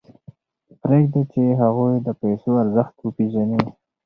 پرېږدئ چې هغوی د پیسو ارزښت وپېژني.